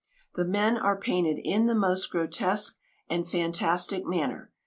The men are painted in the most grotesque and fantastic manner.